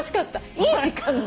いい時間。